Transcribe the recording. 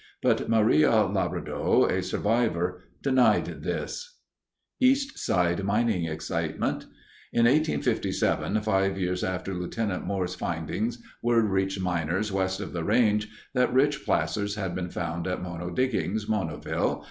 But Maria Lebrado, a survivor, denied this (see p. 47). EAST SIDE MINING EXCITEMENT In 1857, five years after Lt. Moore's findings, word reached miners west of the range that rich placers had been found at Mono Diggings (Monoville).